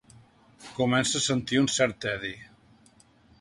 Comença a sentir un cert tedi.